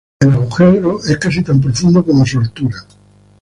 El agujero es casi tan profundo como su altura.